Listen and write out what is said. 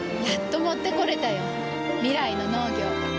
やっと持ってこれたよ。未来の農業。